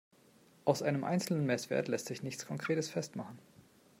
An einem einzelnen Messwert lässt sich nichts Konkretes festmachen.